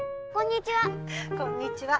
こんにちは。